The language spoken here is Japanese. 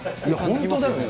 本当だよね。